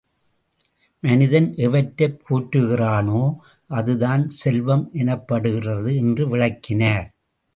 மனிதன் எவற்றைப் போற்றுகிறானோ அதுதான் செல்வம் எனப்படுகிறது என்று விளக்கினார்.